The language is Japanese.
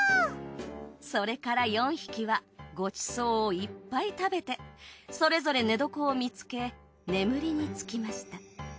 それから４匹はごちそうをいっぱい食べてそれぞれ寝床を見つけ眠りにつきました。